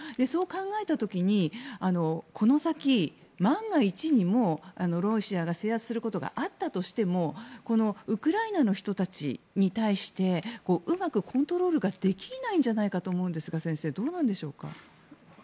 そう考えた時にこの先、万が一にもロシアが制圧することがあったとしてもウクライナの人たちに対してうまくコントロールができないんじゃないかと思うんですがどうなんでしょう。